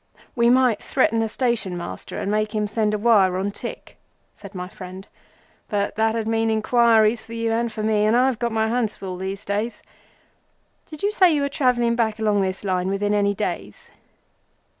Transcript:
"We might threaten a Station master, and make him send a wire on tick," said my friend, "but that'd mean inquiries for you and for me, and I've got my hands full these days. Did you say you are travelling back along this line within any days?"